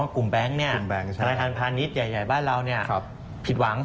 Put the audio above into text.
กลุ่มแบงค์นาฬิทันพาณิชย์ใหญ่บ้านเราผิดหวัง